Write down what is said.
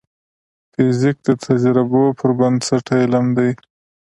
فزیک د تجربو پر بنسټ علم دی.